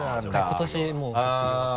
今年もう卒業で。